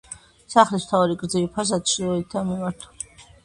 სახლის მთავარი გრძივი ფასადი ჩრდილოეთითაა მიმართული.